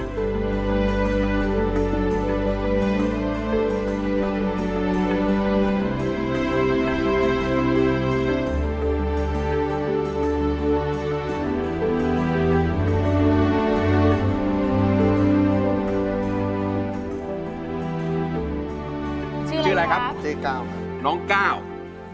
ลูกชายของครูปั๊ด